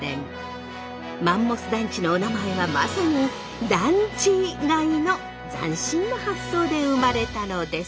マンモス団地のおなまえはまさにだんちがいの斬新な発想で生まれたのです。